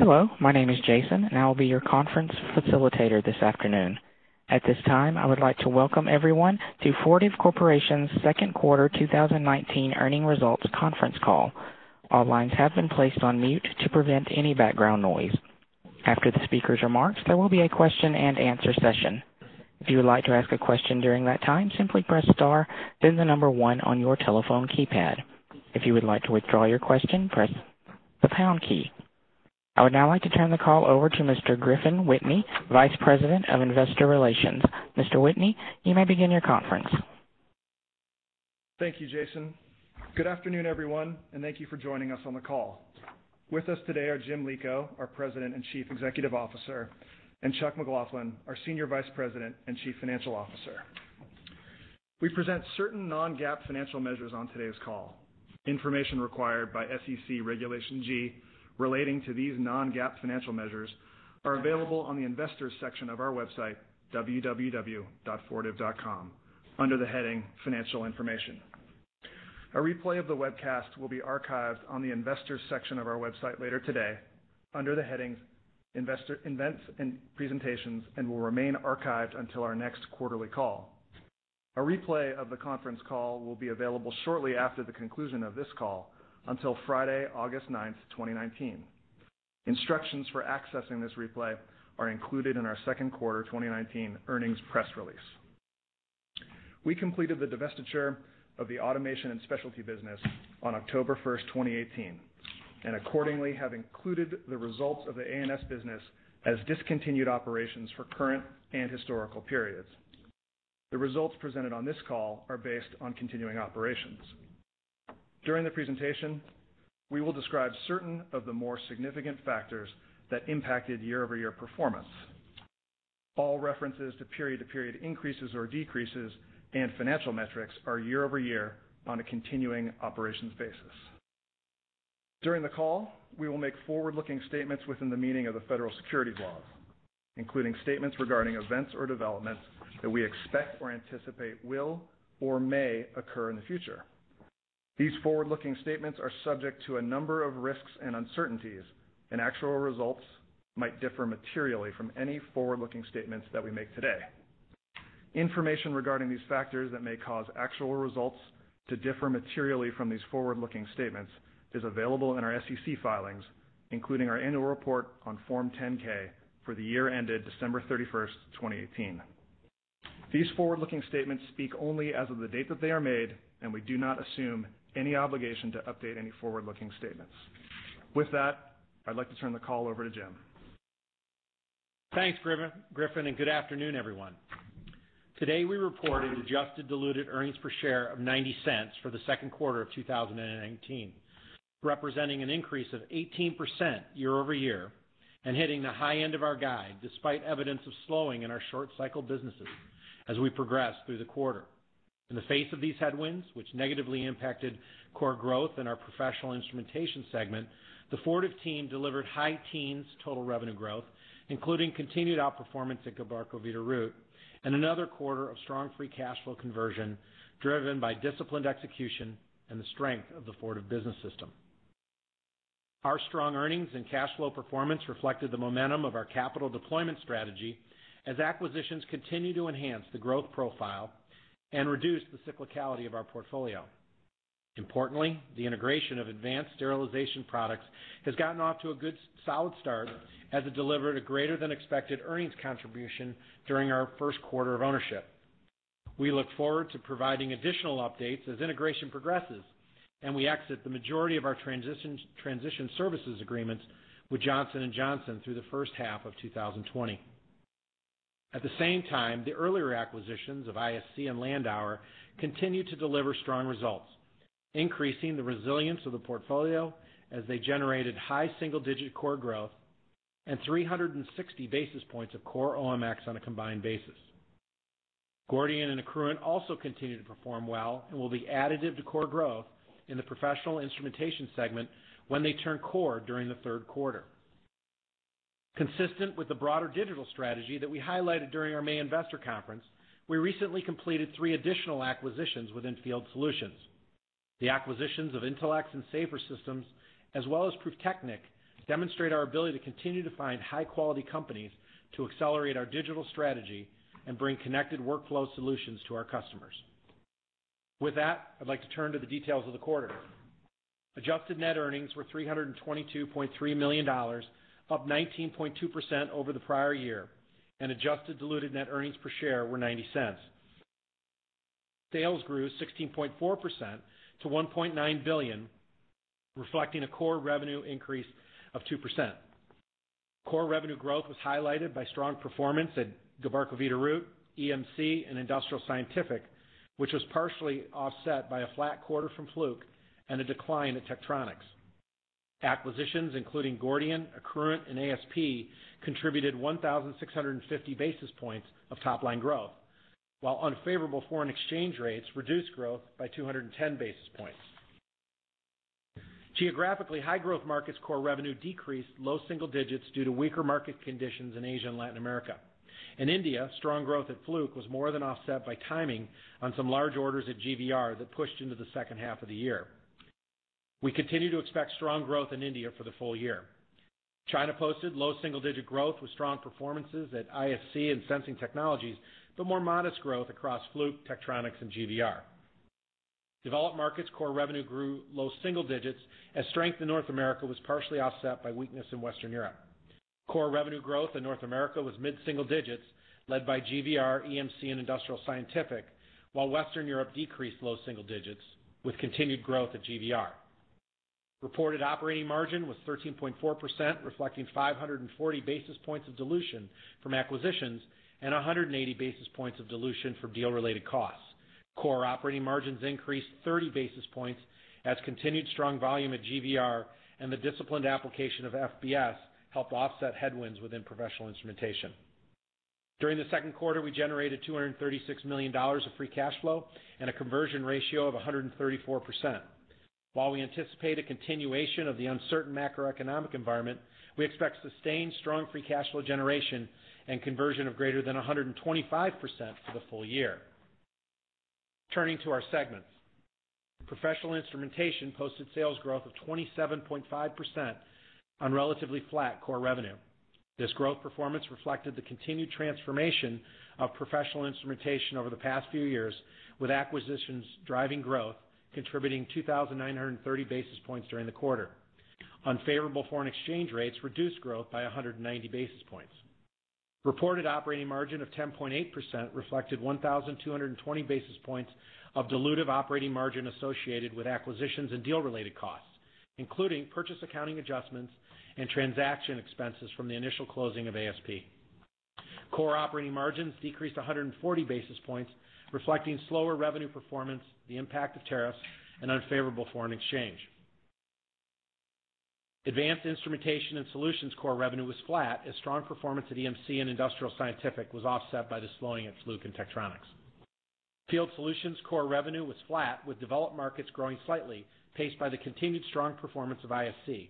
Hello, my name is Jason, and I will be your conference facilitator this afternoon. At this time, I would like to welcome everyone to Fortive Corporation's second quarter 2019 earnings results conference call. All lines have been placed on mute to prevent any background noise. After the speaker's remarks, there will be a question and answer session. If you would like to ask a question during that time, simply press star then the number one on your telephone keypad. If you would like to withdraw your question, press the pound key. I would now like to turn the call over to Mr. Griffin Whitney, Vice President of Investor Relations. Mr. Whitney, you may begin your conference. Thank you, Jason. Good afternoon, everyone, and thank you for joining us on the call. With us today are Jim Lico, our President and Chief Executive Officer, and Chuck McLaughlin, our Senior Vice President and Chief Financial Officer. We present certain non-GAAP financial measures on today's call. Information required by SEC Regulation G relating to these non-GAAP financial measures are available on the investors section of our website, www.fortive.com, under the heading Financial Information. A replay of the webcast will be archived on the investors section of our website later today under the heading Events and Presentations, and will remain archived until our next quarterly call. A replay of the conference call will be available shortly after the conclusion of this call until Friday, August 9, 2019. Instructions for accessing this replay are included in our second quarter 2019 earnings press release. We completed the divestiture of the Automation & Specialty business on October 1, 2018, accordingly, have included the results of the A&S business as discontinued operations for current and historical periods. The results presented on this call are based on continuing operations. During the presentation, we will describe certain of the more significant factors that impacted year-over-year performance. All references to period-to-period increases or decreases and financial metrics are year-over-year on a continuing operations basis. During the call, we will make forward-looking statements within the meaning of the federal securities laws, including statements regarding events or developments that we expect or anticipate will or may occur in the future. These forward-looking statements are subject to a number of risks and uncertainties, actual results might differ materially from any forward-looking statements that we make today. Information regarding these factors that may cause actual results to differ materially from these forward-looking statements is available in our SEC filings, including our annual report on Form 10-K for the year ended December 31st, 2018. These forward-looking statements speak only as of the date that they are made, and we do not assume any obligation to update any forward-looking statements. With that, I'd like to turn the call over to Jim. Thanks, Griffin. Good afternoon, everyone. Today, we reported adjusted diluted earnings per share of $0.90 for the second quarter of 2019, representing an increase of 18% year-over-year, and hitting the high end of our guide, despite evidence of slowing in our short-cycle businesses as we progressed through the quarter. In the face of these headwinds, which negatively impacted core growth in our professional instrumentation segment, the Fortive team delivered high-teens total revenue growth, including continued outperformance at Gilbarco Veeder-Root, and another quarter of strong free cash flow conversion, driven by disciplined execution and the strength of the Fortive Business System. Our strong earnings and cash flow performance reflected the momentum of our capital deployment strategy as acquisitions continue to enhance the growth profile and reduce the cyclicality of our portfolio. Importantly, the integration of Advanced Sterilization Products has gotten off to a good, solid start as it delivered a greater than expected earnings contribution during our first quarter of ownership. We look forward to providing additional updates as integration progresses, and we exit the majority of our transition services agreements with Johnson & Johnson through the first half of 2020. At the same time, the earlier acquisitions of ISC and Landauer continue to deliver strong results, increasing the resilience of the portfolio as they generated high single-digit core growth and 360 basis points of core OMX on a combined basis. Gordian and Accruent also continue to perform well and will be additive to core growth in the professional instrumentation segment when they turn core during the third quarter. Consistent with the broader digital strategy that we highlighted during our May investor conference, we recently completed three additional acquisitions within Field Solutions. The acquisitions of Intelex and SAFER Systems, as well as PRUFTECHNIK, demonstrate our ability to continue to find high-quality companies to accelerate our digital strategy and bring connected workflow solutions to our customers. With that, I'd like to turn to the details of the quarter. Adjusted net earnings were $322.3 million, up 19.2% over the prior year, and adjusted diluted net earnings per share were $0.90. Sales grew 16.4% to $1.9 billion, reflecting a core revenue increase of 2%. Core revenue growth was highlighted by strong performance at Gilbarco Veeder-Root, EMC, and Industrial Scientific, which was partially offset by a flat quarter from Fluke and a decline at Tektronix. Acquisitions, including Gordian, Accruent, and ASP, contributed 1,650 basis points of top-line growth, while unfavorable foreign exchange rates reduced growth by 210 basis points. Geographically, high-growth markets core revenue decreased low single digits due to weaker market conditions in Asia and Latin America. In India, strong growth at Fluke was more than offset by timing on some large orders at GVR that pushed into the second half of the year. We continue to expect strong growth in India for the full year. China posted low single-digit growth with strong performances at ISC and Sensing Technologies, but more modest growth across Fluke, Tektronix, and GVR. Developed markets core revenue grew low single digits as strength in North America was partially offset by weakness in Western Europe. Core revenue growth in North America was mid-single digits, led by GVR, EMC, and Industrial Scientific, while Western Europe decreased low single digits with continued growth at GVR. Reported operating margin was 13.4%, reflecting 540 basis points of dilution from acquisitions and 180 basis points of dilution from deal-related costs. Core operating margins increased 30 basis points as continued strong volume at GVR and the disciplined application of FBS helped offset headwinds within Professional Instrumentation. During the second quarter, we generated $236 million of free cash flow and a conversion ratio of 134%. While we anticipate a continuation of the uncertain macroeconomic environment, we expect sustained strong free cash flow generation and conversion of greater than 125% for the full year. Turning to our segments. Professional Instrumentation posted sales growth of 27.5% on relatively flat core revenue. This growth performance reflected the continued transformation of professional instrumentation over the past few years, with acquisitions driving growth contributing 2,930 basis points during the quarter. Unfavorable foreign exchange rates reduced growth by 190 basis points. Reported operating margin of 10.8% reflected 1,220 basis points of dilutive operating margin associated with acquisitions and deal-related costs, including purchase accounting adjustments and transaction expenses from the initial closing of ASP. Core operating margins decreased 140 basis points, reflecting slower revenue performance, the impact of tariffs, and unfavorable foreign exchange. Advanced instrumentation and solutions core revenue was flat as strong performance at PacSci EMC and Industrial Scientific was offset by the slowing at Fluke and Tektronix. Field Solutions core revenue was flat with developed markets growing slightly, paced by the continued strong performance of ISC.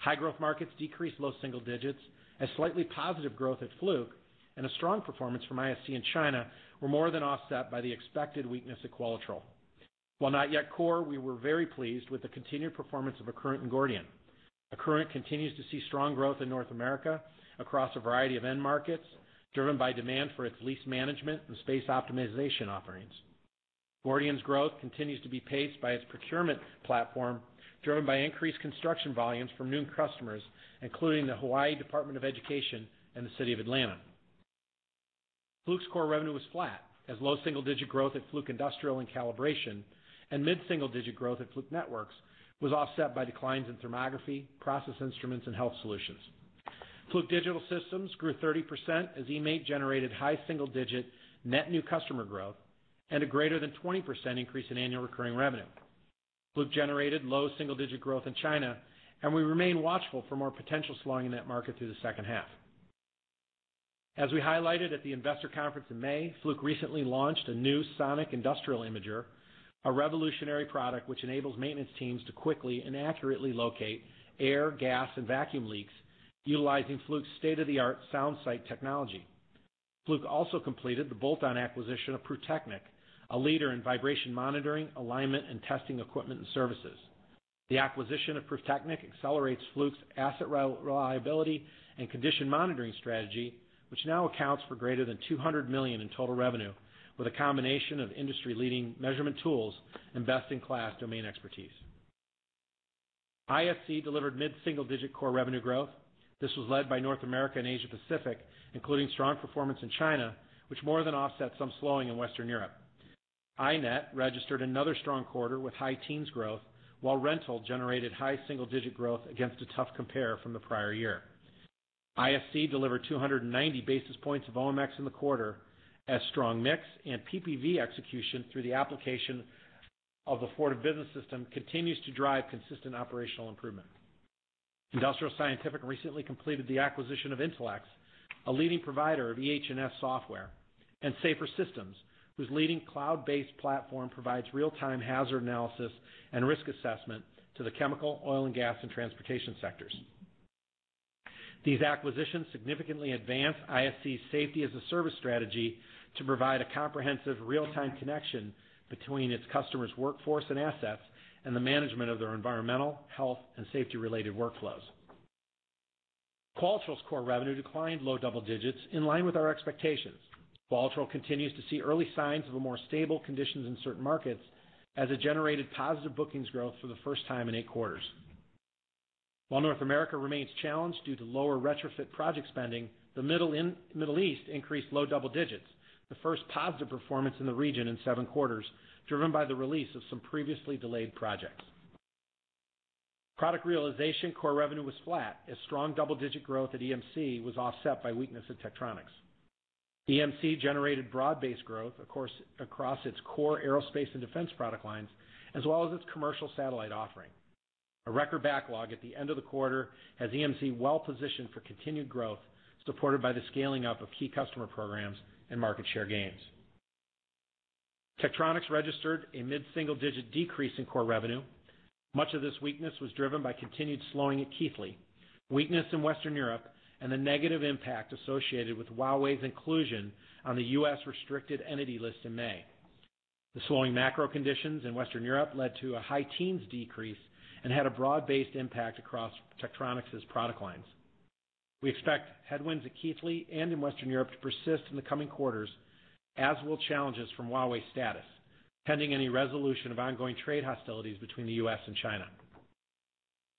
High-growth markets decreased low single digits as slightly positive growth at Fluke, and a strong performance from ISC in China were more than offset by the expected weakness at Qualitrol. While not yet core, we were very pleased with the continued performance of Accruent and Gordian. Accruent continues to see strong growth in North America across a variety of end markets driven by demand for its lease management and space optimization offerings. Gordian's growth continues to be paced by its procurement platform driven by increased construction volumes from new customers, including the Hawaii Department of Education and the City of Atlanta. Fluke's core revenue was flat as low single-digit growth at Fluke Industrial and Calibration, and mid-single-digit growth at Fluke Networks was offset by declines in thermography, process instruments, and health solutions. Fluke Digital Systems grew 30% as eMaint generated high single-digit net new customer growth and a greater than 20% increase in annual recurring revenue. Fluke generated low single-digit growth in China, and we remain watchful for more potential slowing in that market through the second half. As we highlighted at the investor conference in May, Fluke recently launched a new sonic industrial imager, a revolutionary product which enables maintenance teams to quickly and accurately locate air, gas, and vacuum leaks utilizing Fluke's state-of-the-art SoundSight technology. Fluke also completed the bolt-on acquisition of PRÜFTECHNIK, a leader in vibration monitoring, alignment, and testing equipment and services. The acquisition of PRÜFTECHNIK accelerates Fluke's asset reliability and condition monitoring strategy, which now accounts for greater than $200 million in total revenue with a combination of industry-leading measurement tools and best-in-class domain expertise. ISC delivered mid-single-digit core revenue growth. This was led by North America and Asia Pacific, including strong performance in China, which more than offset some slowing in Western Europe. iNet registered another strong quarter with high teens growth, while Rental generated high single-digit growth against a tough compare from the prior year. ISC delivered 290 basis points of OMX in the quarter as strong mix and PPV execution through the application of the Fortive Business System continues to drive consistent operational improvement. Industrial Scientific recently completed the acquisition of Intelex, a leading provider of EH&S software, and SAFER Systems, whose leading cloud-based platform provides real-time hazard analysis and risk assessment to the chemical, oil and gas, and transportation sectors. These acquisitions significantly advance ISC's safety-as-a-service strategy to provide a comprehensive real-time connection between its customers' workforce and assets, and the management of their environmental, health, and safety-related workflows. Qualitrol's core revenue declined low double digits in line with our expectations. Qualitrol continues to see early signs of a more stable conditions in certain markets as it generated positive bookings growth for the first time in eight quarters. While North America remains challenged due to lower retrofit project spending, the Middle East increased low double digits, the first positive performance in the region in seven quarters, driven by the release of some previously delayed projects. Product realization core revenue was flat as strong double-digit growth at EMC was offset by weakness at Tektronix. EMC generated broad-based growth across its core aerospace and defense product lines, as well as its commercial satellite offering. A record backlog at the end of the quarter has EMC well-positioned for continued growth, supported by the scaling up of key customer programs and market share gains. Tektronix registered a mid-single-digit decrease in core revenue. Much of this weakness was driven by continued slowing at Keithley, weakness in Western Europe, and the negative impact associated with Huawei's inclusion on the U.S. restricted Entity List in May. The slowing macro conditions in Western Europe led to a high teens decrease and had a broad-based impact across Tektronix's product lines. We expect headwinds at Keithley and in Western Europe to persist in the coming quarters, as will challenges from Huawei's status, pending any resolution of ongoing trade hostilities between the U.S. and China.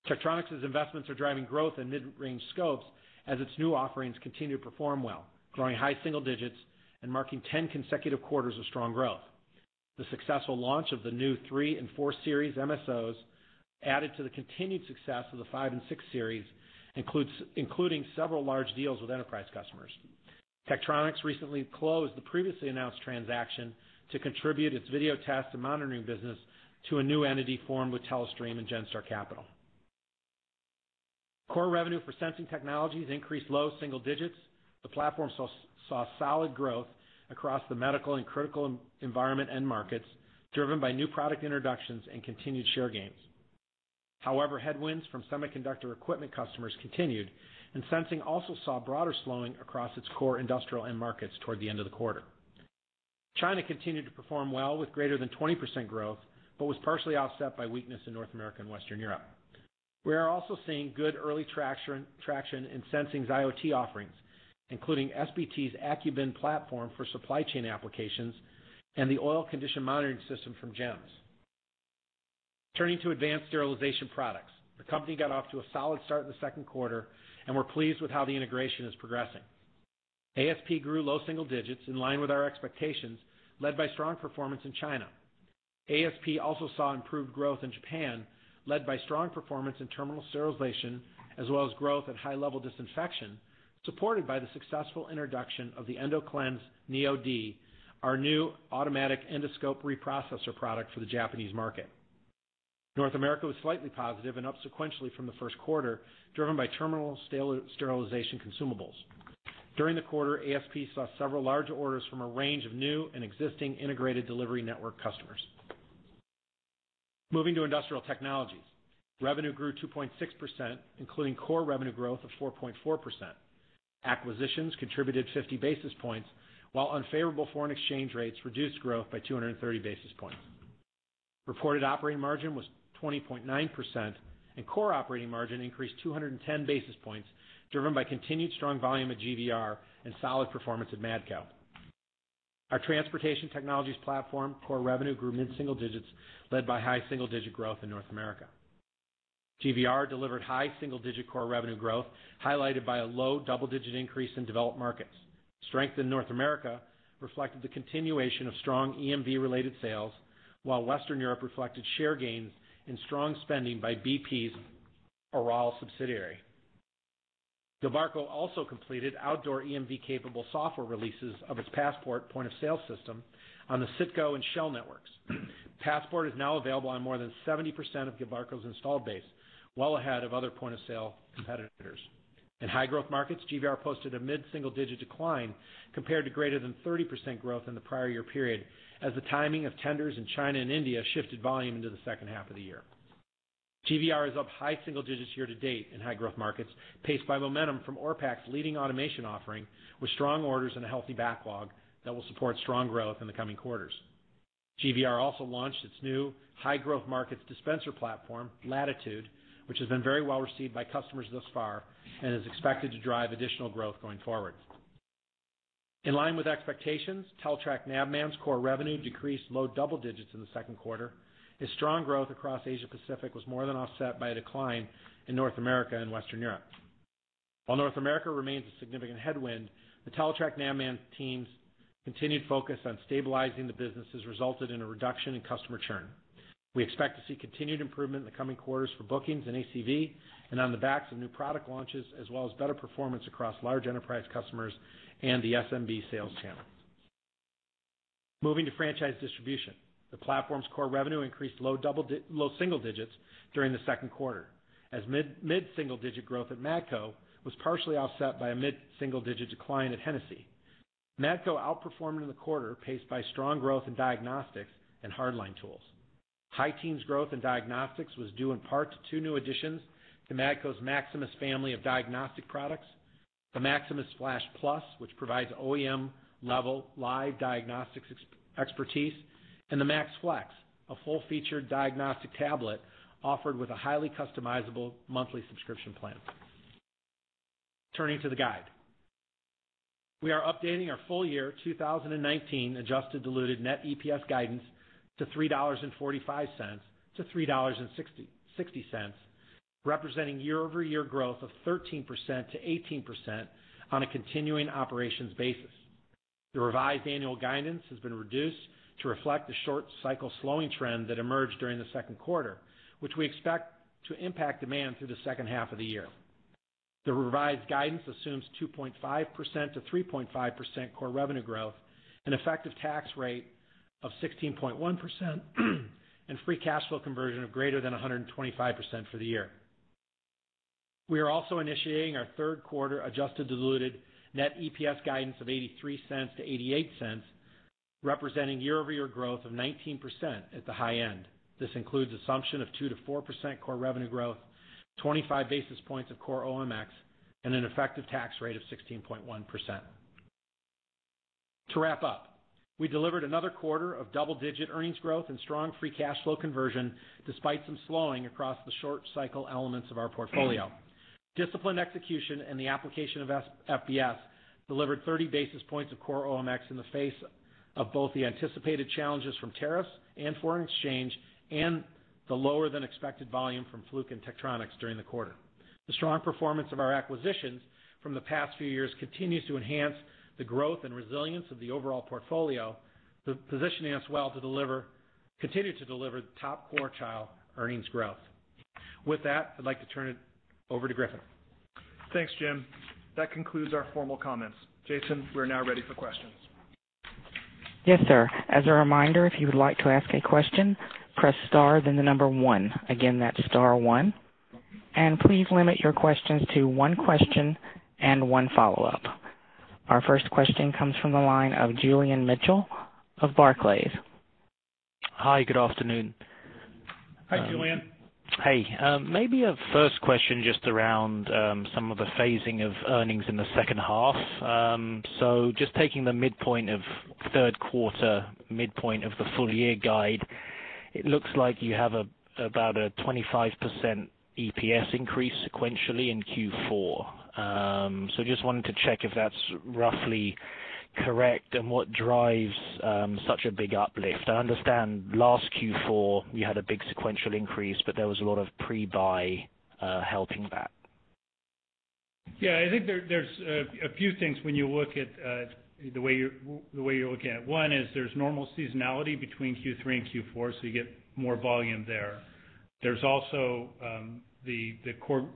Tektronix's investments are driving growth in mid-range scopes as its new offerings continue to perform well, growing high single digits and marking 10 consecutive quarters of strong growth. The successful launch of the new 3 and 4 Series MSOs added to the continued success of the 5 and 6 Series, including several large deals with enterprise customers. Tektronix recently closed the previously announced transaction to contribute its video test and monitoring business to a new entity formed with Telestream and Genstar Capital. Core revenue for Sensing Technologies increased low single digits. The platform saw solid growth across the medical and critical environment end markets, driven by new product introductions and continued share gains. However, headwinds from semiconductor equipment customers continued, and Sensing also saw broader slowing across its core industrial end markets toward the end of the quarter. China continued to perform well with greater than 20% growth but was partially offset by weakness in North America and Western Europe. We are also seeing good early traction in Sensing's IoT offerings, including SBT's Accubin platform for supply chain applications and the oil condition monitoring system from Gems. Turning to Advanced Sterilization Products. The company got off to a solid start in the second quarter, and we're pleased with how the integration is progressing. ASP grew low single digits in line with our expectations, led by strong performance in China. ASP also saw improved growth in Japan, led by strong performance in terminal sterilization, as well as growth at high-level disinfection, supported by the successful introduction of the ENDOCLENS NEO-D, our new automatic endoscope reprocessor product for the Japanese market. North America was slightly positive and up sequentially from the first quarter, driven by terminal sterilization consumables. During the quarter, ASP saw several large orders from a range of new and existing integrated delivery network customers. Moving to industrial technologies. Revenue grew 2.6%, including core revenue growth of 4.4%. Acquisitions contributed 50 basis points, while unfavorable foreign exchange rates reduced growth by 230 basis points. Reported operating margin was 20.9%, and core operating margin increased 210 basis points, driven by continued strong volume at GVR and solid performance at Matco. Our transportation technologies platform core revenue grew mid-single digits, led by high single-digit growth in North America. GVR delivered high single-digit core revenue growth, highlighted by a low double-digit increase in developed markets. Strength in North America reflected the continuation of strong EMV-related sales, while Western Europe reflected share gains and strong spending by BP's Aral subsidiary. Gilbarco also completed outdoor EMV capable software releases of its Passport point-of-sale system on the CITGO and Shell networks. Passport is now available on more than 70% of Gilbarco's installed base, well ahead of other point-of-sale competitors. In high growth markets, GVR posted a mid-single digit decline compared to greater than 30% growth in the prior year period, as the timing of tenders in China and India shifted volume into the second half of the year. GVR is up high single digits year to date in high growth markets, paced by momentum from Orpak's leading automation offering, with strong orders and a healthy backlog that will support strong growth in the coming quarters. GVR also launched its new high growth markets dispenser platform, Latitude, which has been very well received by customers thus far and is expected to drive additional growth going forward. In line with expectations, Teletrac Navman's core revenue decreased low double digits in the second quarter, as strong growth across Asia Pacific was more than offset by a decline in North America and Western Europe. While North America remains a significant headwind, the Teletrac Navman team's continued focus on stabilizing the business has resulted in a reduction in customer churn. We expect to see continued improvement in the coming quarters for bookings and ACV and on the backs of new product launches, as well as better performance across large enterprise customers and the SMB sales channels. Moving to franchise distribution. The platform's core revenue increased low single digits during the second quarter, as mid-single digit growth at Matco was partially offset by a mid-single digit decline at Hennessy. Matco outperformed in the quarter, paced by strong growth in diagnostics and hardline tools. High teens growth in diagnostics was due in part to two new additions to Matco's Maximus family of diagnostic products. The MaximusFlash+, which provides OEM level live diagnostics expertise, and the MaxFlex, a full-featured diagnostic tablet offered with a highly customizable monthly subscription plan. Turning to the guide. We are updating our full-year 2019 adjusted diluted net EPS guidance to $3.45-$3.60, representing year-over-year growth of 13%-18% on a continuing operations basis. The revised annual guidance has been reduced to reflect the short-cycle slowing trend that emerged during the second quarter, which we expect to impact demand through the second half of the year. The revised guidance assumes 2.5%-3.5% core revenue growth, an effective tax rate of 16.1%, and free cash flow conversion of greater than 125% for the year. We are also initiating our third quarter adjusted diluted net EPS guidance of $0.83-$0.88, representing year-over-year growth of 19% at the high end. This includes assumption of 2%-4% core revenue growth, 25 basis points of core OMX, and an effective tax rate of 16.1%. To wrap up, we delivered another quarter of double-digit earnings growth and strong free cash flow conversion, despite some slowing across the short cycle elements of our portfolio. Disciplined execution and the application of FBS delivered 30 basis points of core OMX in the face of both the anticipated challenges from tariffs and foreign exchange, and the lower than expected volume from Fluke and Tektronix during the quarter. The strong performance of our acquisitions from the past few years continues to enhance the growth and resilience of the overall portfolio, positioning us well to continue to deliver top quartile earnings growth. With that, I'd like to turn it over to Griffin. Thanks, Jim. That concludes our formal comments. Jason, we're now ready for questions. Yes, sir. As a reminder, if you would like to ask a question, press star, then one. Again, that's star one. Please limit your questions to one question and one follow-up. Our first question comes from the line of Julian Mitchell of Barclays. Hi, good afternoon. Hi, Julian. Hey. Maybe a first question just around some of the phasing of earnings in the second half. Just taking the midpoint of third quarter, midpoint of the full year guide, it looks like you have about a 25% EPS increase sequentially in Q4. Just wanted to check if that's roughly correct, and what drives such a big uplift. I understand last Q4, you had a big sequential increase, but there was a lot of pre-buy helping that. There's a few things when you look at the way you're looking at it. One is there's normal seasonality between Q3 and Q4, so you get more volume there. There's also the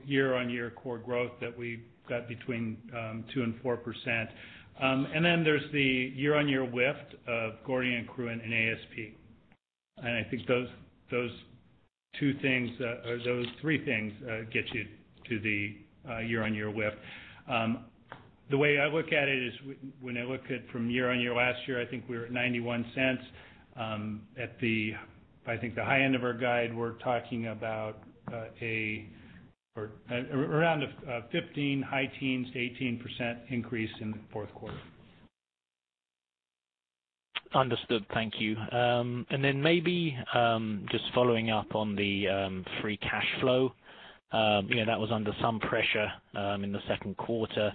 year-on-year core growth that we've got between 2% and 4%. Then there's the year-on-year lift of Gordian, Accruent and ASP. I think those three things get you to the year-on-year lift. The way I look at it is, when I look at it from year-on-year last year, I think we were at $0.91. At the high end of our guide, we're talking about around a 15%, high teens to 18% increase in the fourth quarter. Understood. Thank you. Maybe, just following up on the free cash flow. That was under some pressure in the second quarter.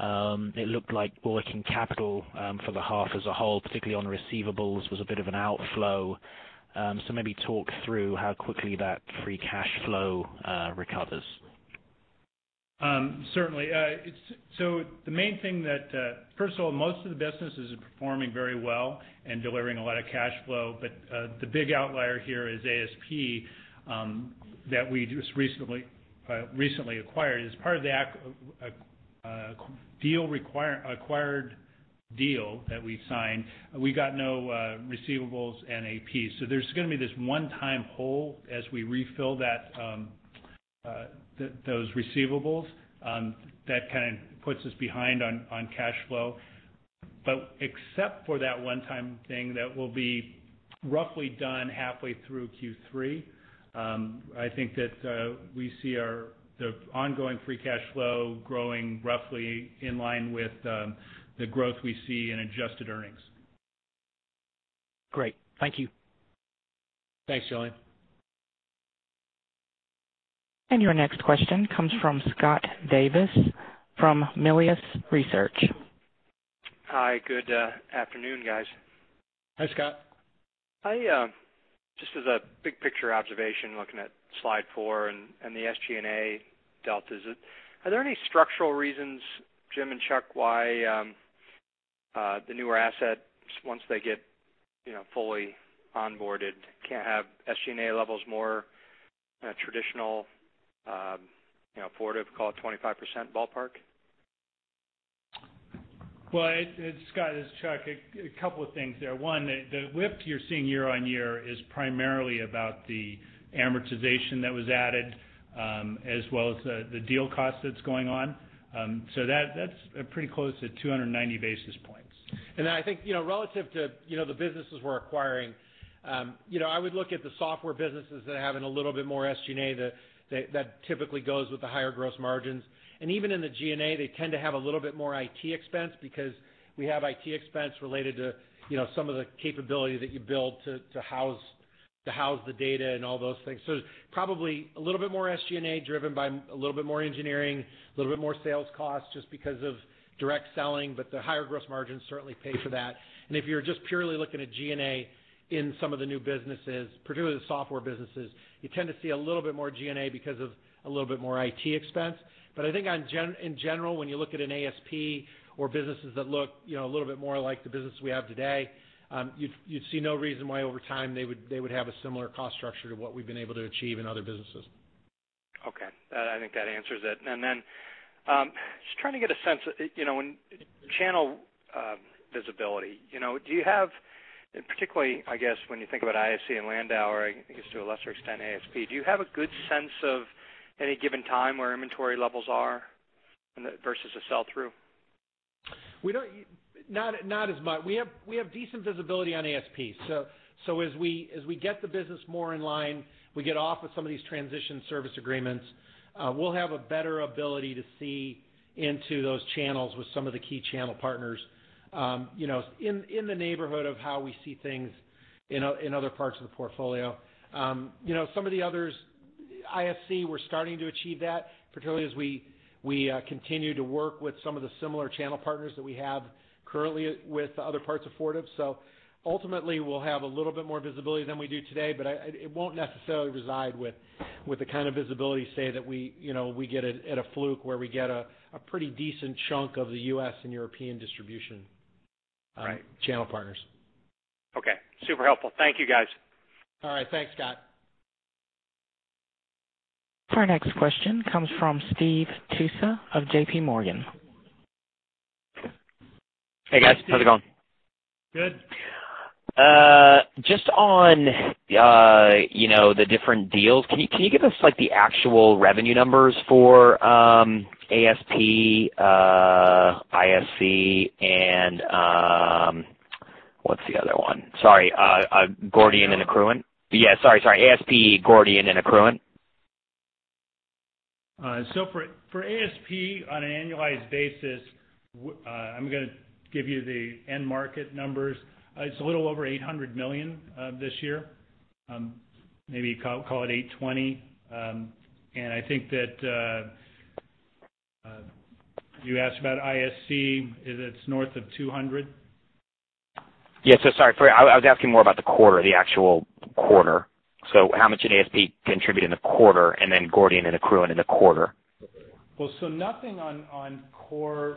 It looked like working capital for the half as a whole, particularly on receivables, was a bit of an outflow. Maybe talk through how quickly that free cash flow recovers. Certainly. First of all, most of the businesses are performing very well and delivering a lot of cash flow. The big outlier here is ASP, that we just recently acquired. As part of the acquired deal that we signed, we got no receivables and AP. There's going to be this one-time hole as we refill those receivables. That kind of puts us behind on cash flow. Except for that one-time thing that will be roughly done halfway through Q3, I think that we see the ongoing free cash flow growing roughly in line with the growth we see in adjusted earnings. Great. Thank you. Thanks, Julian. Your next question comes from Scott Davis from Melius Research. Hi, good afternoon, guys. Hi, Scott. Just as a big picture observation, looking at slide four and the SG&A deltas. Are there any structural reasons, Jim and Chuck, why the newer assets, once they get fully onboarded, can't have SG&A levels more traditional Fortive, call it 25% ballpark? Well, Scott, it's Chuck. A couple of things there. One, the lift you're seeing year-on-year is primarily about the amortization that was added, as well as the deal cost that's going on. That's pretty close to 290 basis points. I think, relative to the businesses we're acquiring, I would look at the software businesses that have a little bit more SG&A. That typically goes with the higher gross margins. Even in the G&A, they tend to have a little bit more IT expense because we have IT expense related to some of the capability that you build to house the data and all those things. Probably a little bit more SG&A driven by a little bit more engineering, a little bit more sales cost just because of direct selling, but the higher gross margins certainly pay for that. If you're just purely looking at G&A in some of the new businesses, particularly the software businesses, you tend to see a little bit more G&A because of a little bit more IT expense. I think in general, when you look at an ASP or businesses that look a little bit more like the business we have today, you'd see no reason why over time they would have a similar cost structure to what we've been able to achieve in other businesses. Okay. I think that answers it. Just trying to get a sense, when channel visibility, do you have, particularly, I guess when you think about ISC and Landauer, I guess to a lesser extent, ASP, do you have a good sense of any given time where inventory levels are versus a sell-through? We don't. Not as much. We have decent visibility on ASP. As we get the business more in line, we get off of some of these Transition Services Agreements, we'll have a better ability to see into those channels with some of the key channel partners, in the neighborhood of how we see things in other parts of the portfolio. Some of the others, ISC, we're starting to achieve that, particularly as we continue to work with some of the similar channel partners that we have currently with other parts of Fortive. Ultimately we'll have a little bit more visibility than we do today, but it won't necessarily reside with the kind of visibility, say, that we get at a Fluke where we get a pretty decent chunk of the U.S. and European distribution- All right. -channel partners. Okay. Super helpful. Thank you guys. All right. Thanks, Scott. Our next question comes from Steve Tusa of JPMorgan. Hey, guys. How's it going? Good. Just on the different deals, can you give us the actual revenue numbers for ASP, ISC and, what's the other one? Sorry, Gordian and Accruent? Yeah. Sorry. ASP, Gordian and Accruent. For ASP, on an annualized basis, I'm going to give you the end market numbers. It's a little over $800 million this year. Maybe call it $820. I think that you asked about ISC, it's north of $200. Yeah. Sorry, I was asking more about the quarter, the actual quarter. How much did ASP contribute in the quarter, and then Gordian and Accruent in the quarter? Well, nothing on core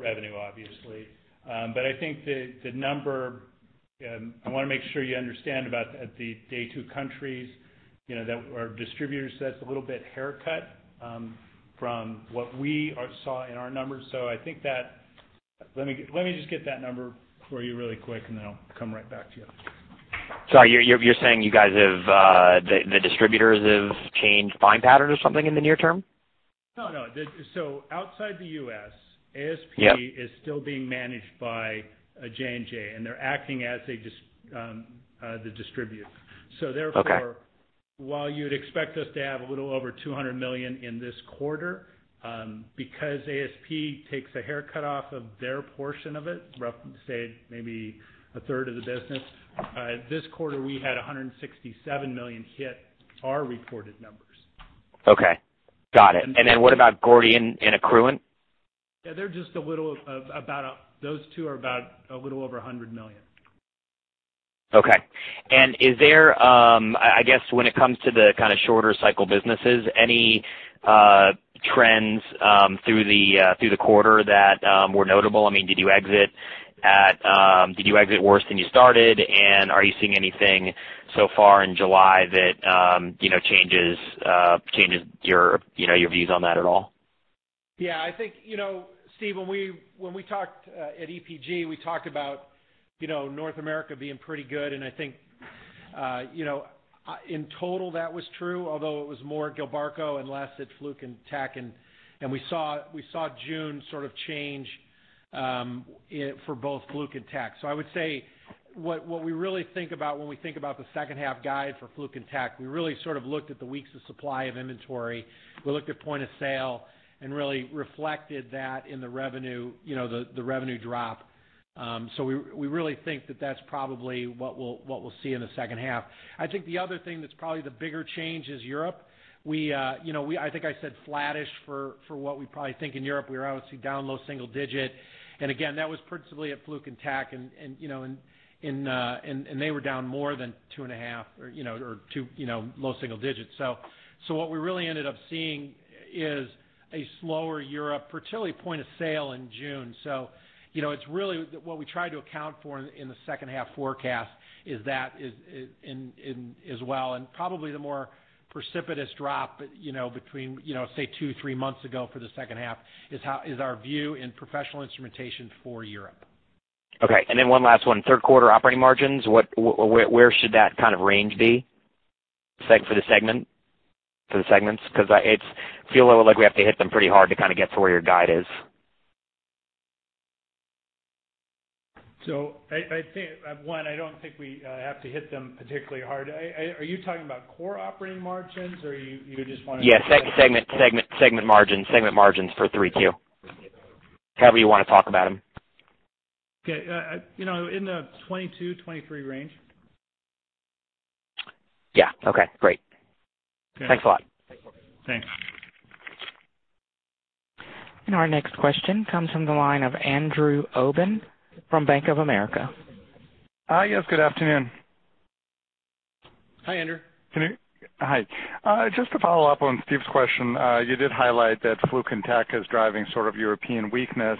revenue, obviously. I think the number, I want to make sure you understand about the Day 2 countries, our distributor sets a little bit haircut from what we saw in our numbers. Let me just get that number for you really quick, and then I'll come right back to you. Sorry, you're saying the distributors have changed buying patterns or something in the near term? No, no. Outside the U.S.- Yep. -ASP is still being managed by J&J, and they're acting as the distributors. Okay. Therefore, while you'd expect us to have a little over $200 million in this quarter, because ASP takes a haircut off of their portion of it, say maybe a third of the business, this quarter, we had $167 million hit our reported numbers. Okay. Got it. What about Gordian and Accruent? Yeah, they're just, those two are about a little over $100 million. Okay. Is there, I guess when it comes to the kind of shorter cycle businesses, any trends through the quarter that were notable? Did you exit worse than you started? Are you seeing anything so far in July that changes your views on that at all? Yeah, I think, Steve, when we talked at EPG, we talked about North America being pretty good. I think, in total that was true, although it was more Gilbarco and less at Fluke and Tek. We saw June sort of change for both Fluke and Tek. I would say what we really think about when we think about the second half guide for Fluke and Tek, we really sort of looked at the weeks of supply of inventory. We looked at point of sale and really reflected that in the revenue drop. We really think that that's probably what we'll see in the second half. I think the other thing that's probably the bigger change is Europe. I think I said flattish for what we probably think in Europe. We were obviously down low single digit. Again, that was principally at Fluke and Tek, and they were down more than 2.5 or low single digits. What we really ended up seeing is a slower Europe, particularly point of sale in June. What we try to account for in the second half forecast is that as well, and probably the more precipitous drop between, say, two, three months ago for the second half is our view in professional instrumentation for Europe. Okay. One last one. Third quarter operating margins. Where should that kind of range be for the segments? It feel a little like we have to hit them pretty hard to kind of get to where your guide is. I think, one, I don't think we have to hit them particularly hard. Are you talking about core operating margins, or you just want to? Yeah. Segment margins for 3Q. However you want to talk about them. Okay. In the 22-23 range. Yeah. Okay, great. Thanks a lot. Thanks. Our next question comes from the line of Andrew Obin from Bank of America. Yes, good afternoon. Hi, Andrew. Hi. Just to follow up on Steve's question, you did highlight that Fluke and Tek is driving sort of European weakness.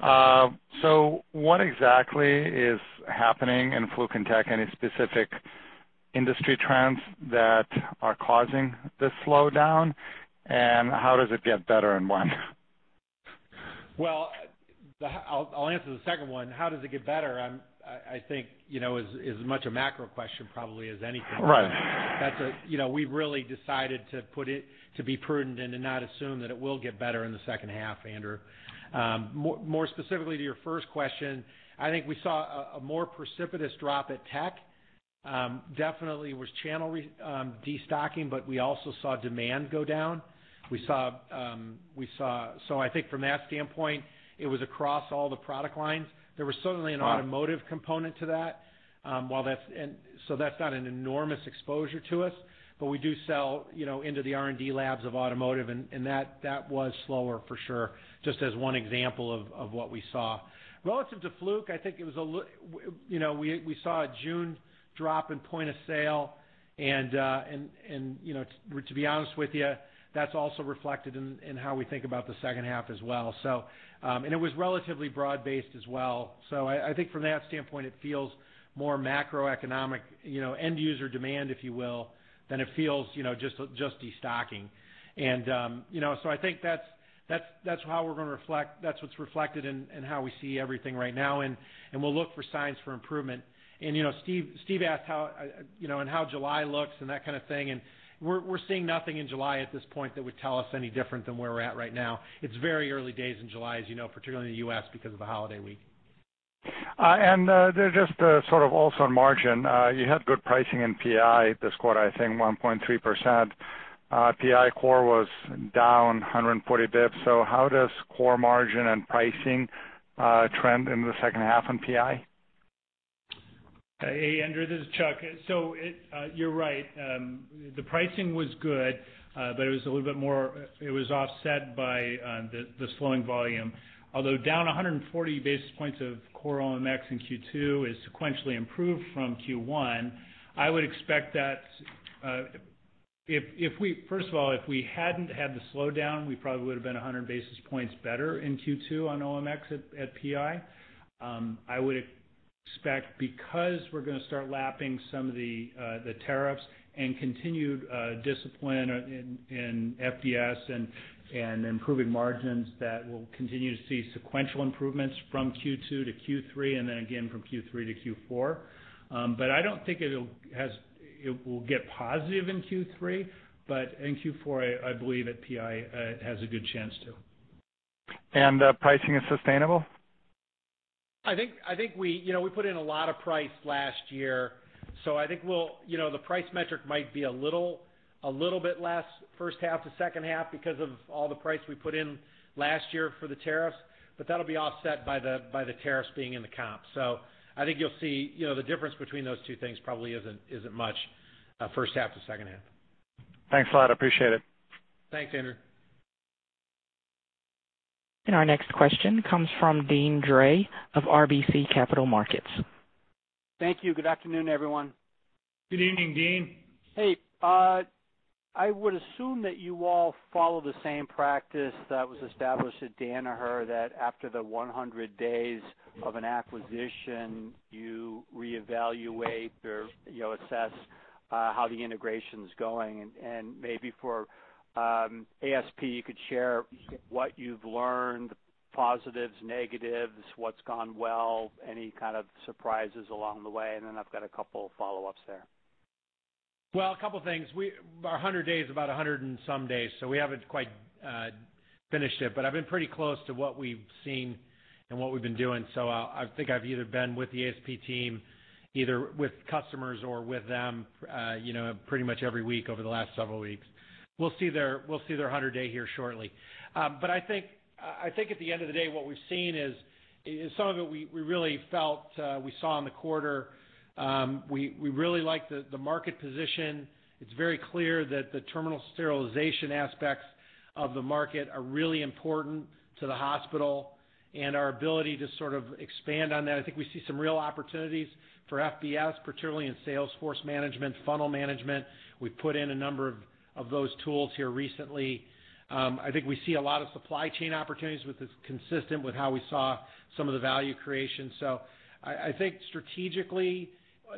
What exactly is happening in Fluke and Tek? Any specific industry trends that are causing this slowdown? How does it get better and when? Well, I'll answer the second one. How does it get better? I think is as much a macro question probably as anything. Right. We've really decided to put it to be prudent and to not assume that it will get better in the second half, Andrew Obin. More specifically to your first question, I think we saw a more precipitous drop at Tek. Definitely was channel destocking, but we also saw demand go down. I think from that standpoint, it was across all the product lines. There was certainly an automotive component to that. That's not an enormous exposure to us, but we do sell into the R&D labs of automotive, and that was slower for sure, just as one example of what we saw. Relative to Fluke, I think we saw a June drop in point of sale and, to be honest with you, that's also reflected in how we think about the second half as well. It was relatively broad-based as well. I think from that standpoint, it feels more macroeconomic, end user demand, if you will, than it feels just destocking. I think that's what's reflected in how we see everything right now, and we'll look for signs for improvement. Steve asked how July looks and that kind of thing, and we're seeing nothing in July at this point that would tell us any different than where we're at right now. It's very early days in July, as you know, particularly in the U.S. because of the holiday week. Just sort of also on margin, you had good pricing in PI this quarter, I think 1.3%. PI core was down 140 basis points. How does core margin and pricing trend in the second half in PI? Hey, Andrew Obin, this is Chuck McLaughlin. You're right. The pricing was good, but it was a little bit more, it was offset by the slowing volume, although down 140 basis points of core OMX in Q2 is sequentially improved from Q1. I would expect that, first of all, if we hadn't had the slowdown, we probably would've been 100 basis points better in Q2 on OMX at PI. I would expect because we're going to start lapping some of the tariffs and continued discipline in FBS and improving margins that we'll continue to see sequential improvements from Q2 to Q3, and then again from Q3 to Q4. I don't think it will get positive in Q3, but in Q4, I believe that PI has a good chance to. Pricing is sustainable? I think we put in a lot of price last year, so I think the price metric might be a little bit less first half to second half because of all the price we put in last year for the tariffs, but that'll be offset by the tariffs being in the comp. I think you'll see the difference between those two things probably isn't much first half to second half. Thanks a lot. Appreciate it. Thanks, Andrew. Our next question comes from Deane Dray of RBC Capital Markets. Thank you. Good afternoon, everyone. Good evening, Deane. Hey. I would assume that you all follow the same practice that was established at Danaher, that after the 100 days of an acquisition, you reevaluate or assess how the integration's going. Maybe for ASP, you could share what you've learned, the positives, negatives, what's gone well, any kind of surprises along the way, and then I've got a couple follow-ups there. A couple things. Our 100 days is about 100 and some days, we haven't quite finished it, but I've been pretty close to what we've seen and what we've been doing. I think I've either been with the ASP team, either with customers or with them, pretty much every week over the last several weeks. We'll see their 100 day here shortly. I think at the end of the day, what we've seen is some of it we really felt, we saw in the quarter. We really like the market position. It's very clear that the terminal sterilization aspects of the market are really important to the hospital, and our ability to sort of expand on that. I think we see some real opportunities for FBS, particularly in salesforce management, funnel management. We've put in a number of those tools here recently. I think we see a lot of supply chain opportunities with this, consistent with how we saw some of the value creation. I think strategically,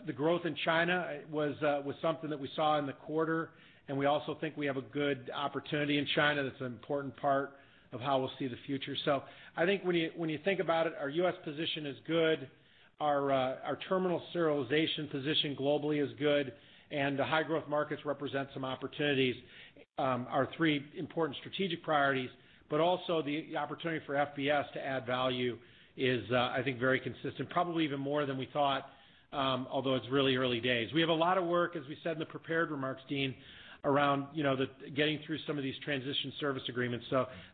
the growth in China was something that we saw in the quarter, and we also think we have a good opportunity in China that's an important part of how we'll see the future. I think when you think about it, our U.S. position is good. Our terminal serialization position globally is good, and the high growth markets represent some opportunities, our three important strategic priorities. Also the opportunity for FBS to add value is, I think, very consistent, probably even more than we thought, although it's really early days. We have a lot of work, as we said in the prepared remarks, Deane, around getting through some of these Transition Services Agreements.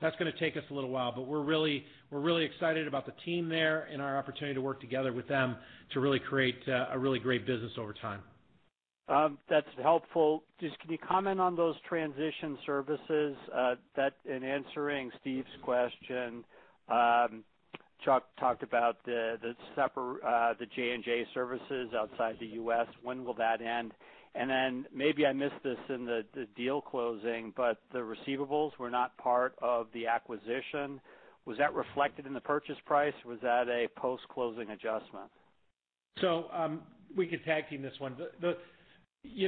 That's going to take us a little while, but we're really excited about the team there and our opportunity to work together with them to really create a really great business over time. That's helpful. Can you comment on those transition services? In answering Steve's question, Chuck talked about the J&J services outside the U.S. When will that end? Maybe I missed this in the deal closing, but the receivables were not part of the acquisition. Was that reflected in the purchase price? Was that a post-closing adjustment? We could tag team this one.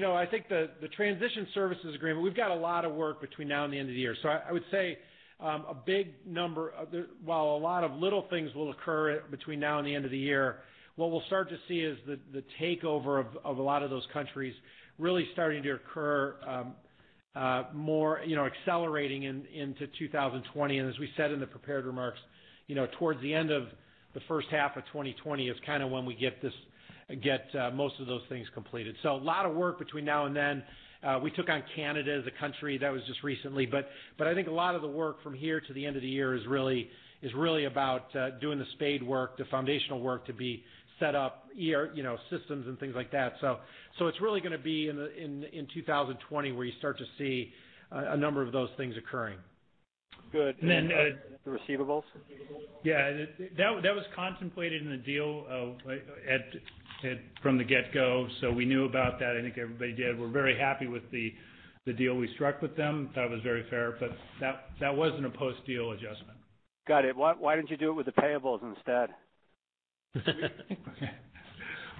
I think the Transition Services Agreement, we've got a lot of work between now and the end of the year. I would say, a big number of-- while a lot of little things will occur between now and the end of the year, what we'll start to see is the takeover of a lot of those countries really starting to occur, accelerating into 2020. As we said in the prepared remarks, towards the end of the first half of 2020 is kind of when we get most of those things completed. A lot of work between now and then. We took on Canada as a country, that was just recently. I think a lot of the work from here to the end of the year is really about doing the spade work, the foundational work to be set up, systems and things like that. It's really going to be in 2020 where you start to see a number of those things occurring. Good. Then the receivables? Yeah. That was contemplated in the deal from the get-go. We knew about that. I think everybody did. We're very happy with the deal we struck with them. Thought it was very fair, but that wasn't a post-deal adjustment. Got it. Why didn't you do it with the payables instead?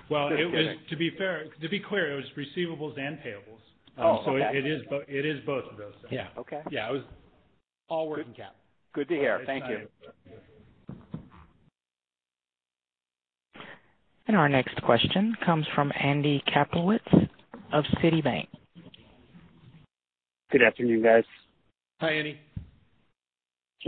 Well, to be clear, it was receivables and payables. Oh, okay. It is both of those things. Yeah. Okay. Yeah, it was all working capital. Good to hear. Thank you. Our next question comes from Andy Kaplowitz of Citibank. Good afternoon, guys. Hi, Andy. Jim,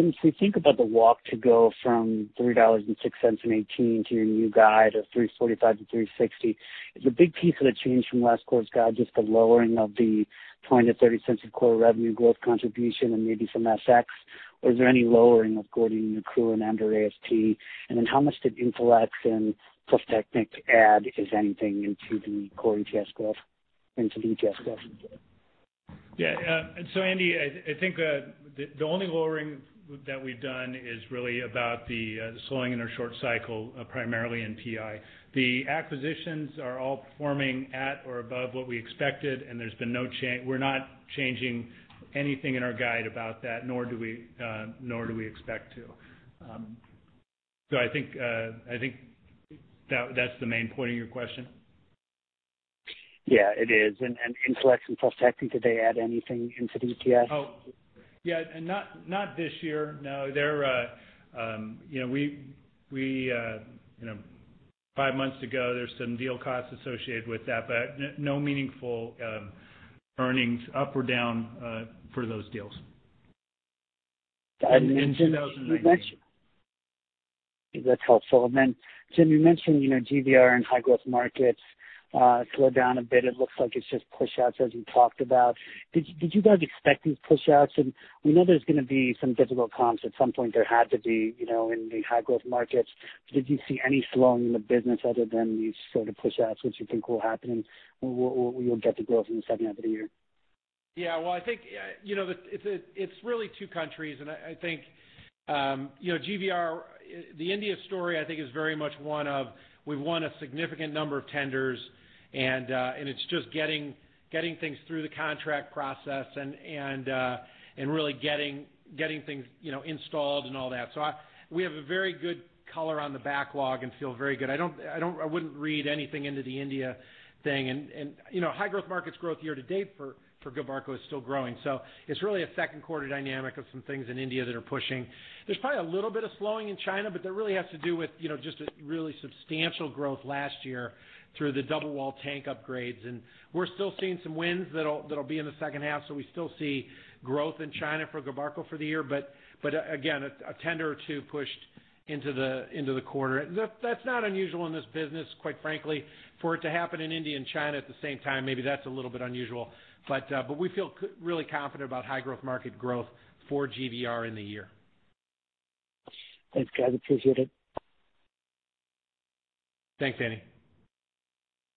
as we think about the walk to go from $3.06 in 2018 to your new guide of $3.45-$3.60, is a big piece of the change from last quarter's guide just the lowering of the $0.20-$0.30 of quarter revenue growth contribution and maybe some FX, or is there any lowering of Gordian, Accruent, and ASP? How much did Intelex and PRÜFTECHNIK add, if anything, into the core EPS growth? Yeah. Andy, I think the only lowering that we've done is really about the slowing in our short cycle, primarily in PI. The acquisitions are all performing at or above what we expected, and we're not changing anything in our guide about that, nor do we expect to. I think that's the main point of your question? Yeah, it is. Intelex and PRÜFTECHNIK, did they add anything into the ETS? Oh, yeah, not this year. No. Five months ago, there's some deal costs associated with that, but no meaningful earnings up or down for those deals in 2019. That's helpful. Jim, you mentioned GVR and high growth markets slowed down a bit. It looks like it's just pushouts, as you talked about. Did you guys expect these pushouts? We know there's going to be some difficult comps at some point. There had to be in the high growth markets. Did you see any slowing in the business other than these sort of pushouts, which you think will happen, and we'll get the growth in the second half of the year? Yeah. Well, I think it's really two countries. I think GVR, the India story, I think is very much one of, we've won a significant number of tenders, and it's just getting things through the contract process and really getting things installed and all that. We have a very good color on the backlog and feel very good. I wouldn't read anything into the India thing. High growth markets growth year to date for Gilbarco is still growing. It's really a second quarter dynamic of some things in India that are pushing. There's probably a little of slowing in China, but that really has to do with just a really substantial growth last year through the double wall tank upgrades. We're still seeing some wins that'll be in the second half. We still see growth in China for Gilbarco for the year. Again, a tender or two pushed into the quarter. That's not unusual in this business, quite frankly. For it to happen in India and China at the same time, maybe that's a little bit unusual. We feel really confident about high growth market growth for GVR in the year. Thanks, guys. Appreciate it. Thanks, Andy.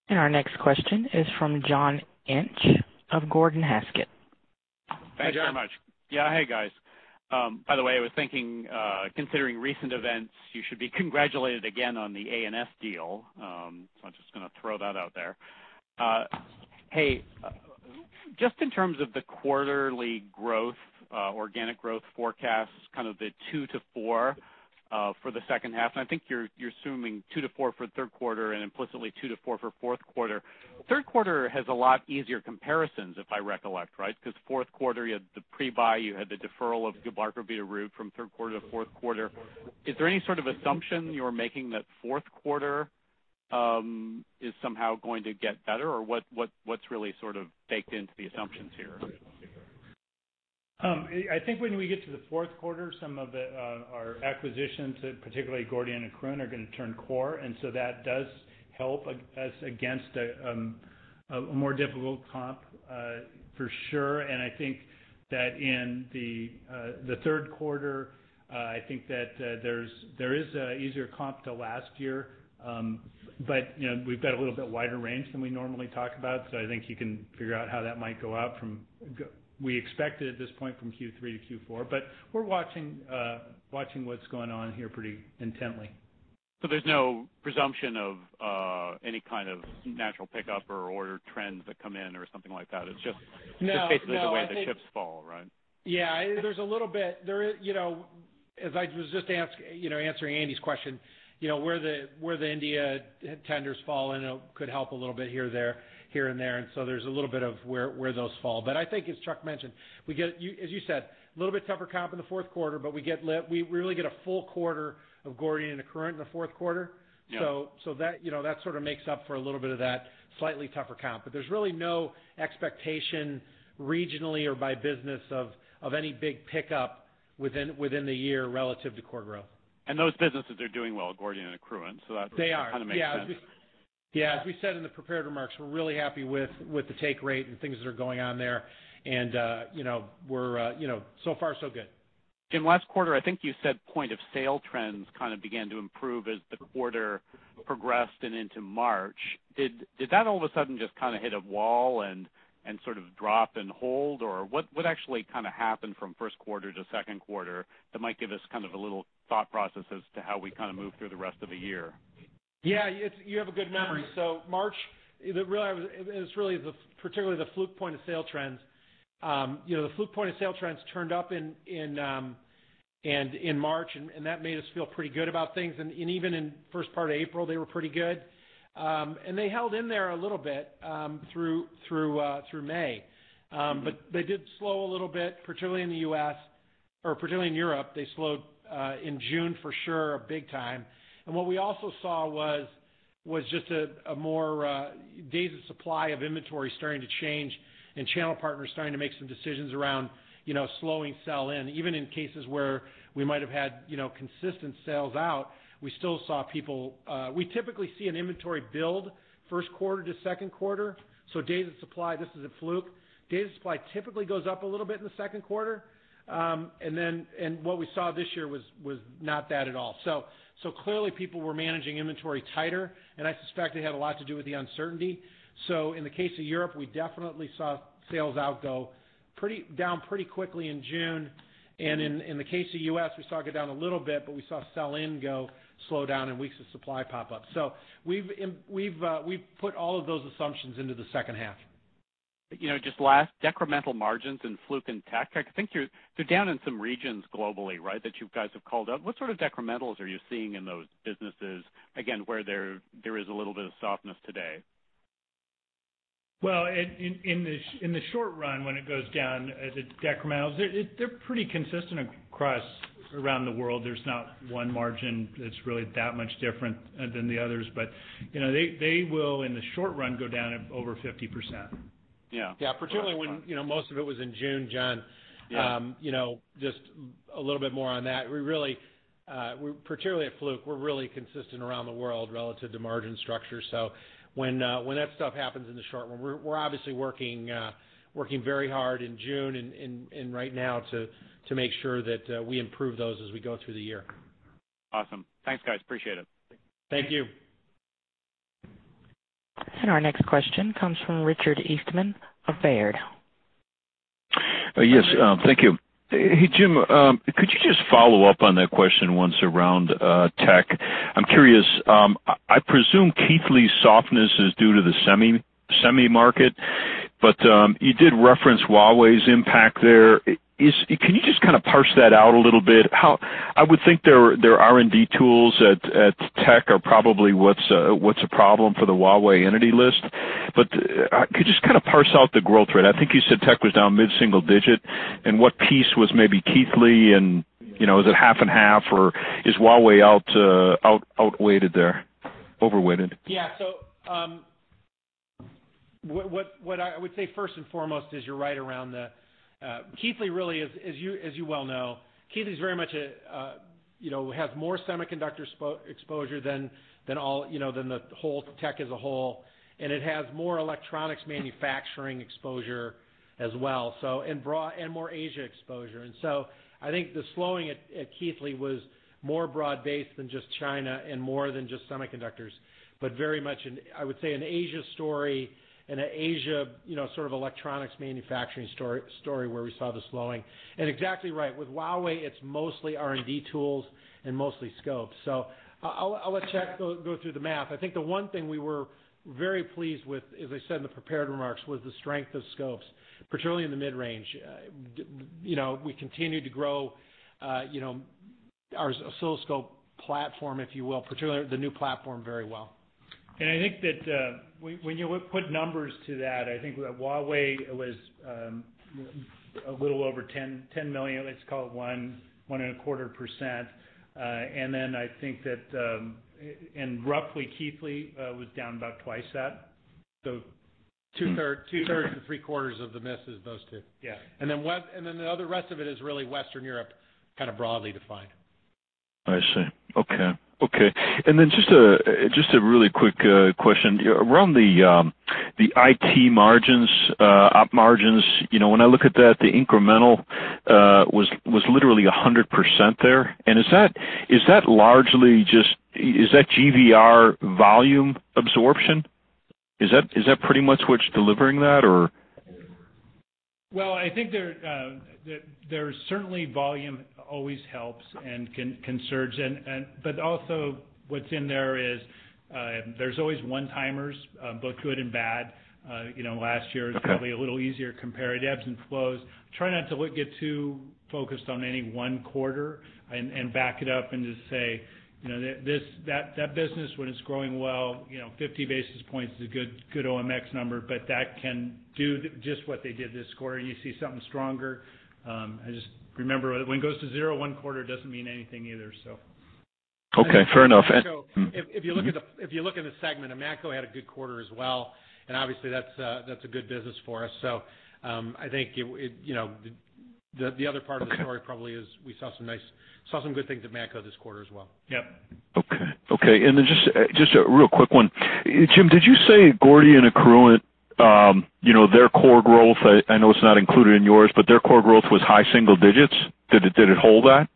Our next question is from John Inch of Gordon Haskett. Hi, John. Thanks very much. Yeah. Hey, guys. By the way, I was thinking, considering recent events, you should be congratulated again on the A&S deal. I'm just going to throw that out there. Hey, just in terms of the quarterly growth, organic growth forecasts, kind of the 2%-4% for the second half, and I think you're assuming 2%-4% for third quarter and implicitly 2%-4% for fourth quarter. Third quarter has a lot easier comparisons if I recollect, right? Fourth quarter, you had the pre-buy, you had the deferral of Gilbarco Veeder-Root from third quarter to fourth quarter. Is there any sort of assumption you're making that fourth quarter is somehow going to get better or what's really sort of baked into the assumptions here? I think when we get to the fourth quarter, some of our acquisitions, particularly Gordian and Accruent, are going to turn core. That does help us against a more difficult comp for sure. I think that in the third quarter, I think that there is an easier comp to last year. We've got a little bit wider range than we normally talk about. I think you can figure out how that might go up. We expect it at this point from Q3 to Q4, but we're watching what's going on here pretty intently. There's no presumption of any kind of natural pickup or order trends that come in or something like that. It's just- No. -basically the way the chips fall, right? Yeah. There's a little bit, as I was just answering Andy's question, where the India tenders fall in could help a little bit here and there. There's a little bit of where those fall. I think, as Chuck mentioned, as you said, a little bit tougher comp in the fourth quarter. We really get a full quarter of Gordian and Accruent in the fourth quarter. Yeah. That sort of makes up for a little bit of that slightly tougher comp. There's really no expectation regionally or by business of any big pickup within the year relative to core growth. Those businesses are doing well, Gordian and Accruent. They are. That kind of makes sense. Yeah. As we said in the prepared remarks, we're really happy with the take rate and things that are going on there, and so far, so good. Jim, last quarter, I think you said point of sale trends kind of began to improve as the quarter progressed and into March. Did that all of a sudden just kind of hit a wall and sort of drop and hold? What actually happened from first quarter to second quarter that might give us kind of a little thought process as to how we move through the rest of the year? Yeah. You have a good memory. March, it was really particularly the Fluke point of sale trends. The Fluke point of sale trends turned up in March, and that made us feel pretty good about things, and even in first part of April, they were pretty good. They held in there a little bit through May. They did slow a little bit, particularly in Europe. They slowed in June, for sure, big time. What we also saw was just days of supply of inventory starting to change and channel partners starting to make some decisions around slowing sell-in. Even in cases where we might have had consistent sales out, we typically see an inventory build first quarter to second quarter, so days of supply, this is at Fluke. Days of supply typically goes up a little bit in the second quarter, and what we saw this year was not that at all. Clearly, people were managing inventory tighter, and I suspect it had a lot to do with the uncertainty. In the case of Europe, we definitely saw sales out go down pretty quickly in June. In the case of U.S., we saw it go down a little bit, but we saw sell-in slow down and weeks of supply pop up. We've put all of those assumptions into the second half. Just last, decremental margins in Fluke and Tek, I think you're down in some regions globally, right, that you guys have called out. What sort of decrementals are you seeing in those businesses, again, where there is a little bit of softness today? In the short run, when it goes down as decrementals, they're pretty consistent around the world. There's not one margin that's really that much different than the others. They will, in the short run, go down over 50%. Yeah. Yeah. Particularly when most of it was in June, John. Yeah. Just a little bit more on that. Particularly at Fluke, we're really consistent around the world relative to margin structure. When that stuff happens in the short run, we're obviously working very hard in June and right now to make sure that we improve those as we go through the year. Awesome. Thanks, guys. Appreciate it. Thank you. Our next question comes from Richard Eastman of Baird. Yes. Thank you. Hey, Jim, could you just follow up on that question once around Tek? I'm curious. I presume Keithley softness is due to the semi market. You did reference Huawei's impact there. Can you just kind of parse that out a little bit? I would think their R&D tools at Tek are probably what's a problem for the Huawei Entity List. Could you just kind of parse out the growth rate? I think you said Tek was down mid-single digit, and what piece was maybe Keithley, and is it half and half, or is Huawei outweighted there? Overweighted. Yeah. What I would say first and foremost is you're right around the Keithley really, as you well know, Keithley has more semiconductor exposure than the whole Tek as a whole, and it has more electronics manufacturing exposure as well, and more Asia exposure. I think the slowing at Keithley was more broad-based than just China and more than just semiconductors, but very much, I would say, an Asia story and an Asia sort of electronics manufacturing story where we saw the slowing. Exactly right. With Huawei, it's mostly R&D tools and mostly scopes. I'll let Chuck go through the math. I think the one thing we were very pleased with, as I said in the prepared remarks, was the strength of scopes, particularly in the mid-range. We continue to grow our oscilloscope platform, if you will, particularly the new platform, very well. I think that when you put numbers to that, I think Huawei was a little over $10 million. Let's call it 1.25%. Roughly, Keithley was down about twice that. Two-thirds to three-quarters of the miss is those two. Yeah. The other rest of it is really Western Europe, kind of broadly defined. I see. Okay. Just a really quick question. Around the IT margins, op margins, when I look at that, the incremental was literally 100% there. Is that GVR volume absorption? Is that pretty much what's delivering that? Well, I think that certainly volume always helps and can surge. Also what's in there is there's always one-timers, both good and bad. Last year is probably a little easier to compare ebbs and flows. Try not to get too focused on any one quarter and back it up and just say, "That business, when it's growing well, 50 basis points is a good OMX number," but that can do just what they did this quarter. You see something stronger. I just remember when it goes to zero one quarter, it doesn't mean anything either. Okay. Fair enough. If you look at the segment, Matco had a good quarter as well, and obviously that's a good business for us. I think the other part of the story probably is we saw some good things at Matco this quarter as well. Yep. Okay. Just a real quick one. Jim, did you say Gordian and Accruent, their core growth, I know it's not included in yours, but their core growth was high single digits. Did it hold that?